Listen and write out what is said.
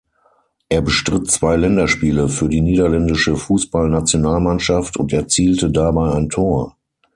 Er bestritt zwei Länderspiele für die niederländische Fußballnationalmannschaft und erzielte dabei ein Tor.